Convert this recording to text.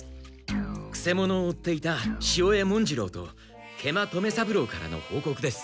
くせ者を追っていた潮江文次郎と食満留三郎からのほうこくです。